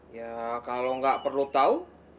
ya kalau gak perlu tau